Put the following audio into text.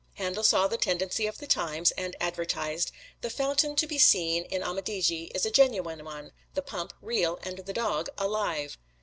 Handel saw the tendency of the times, and advertised, "The fountain to be seen in 'Amadigi' is a genuine one, the pump real and the dog alive."